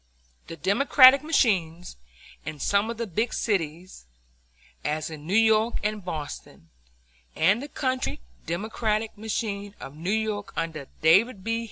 The Democratic machines in some of the big cities, as in New York and Boston, and the country Democratic machine of New York under David B.